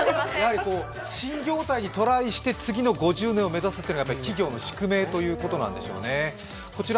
新業態にトライして次の５０年を目指すというのは企業の宿命ということなんでしょうね。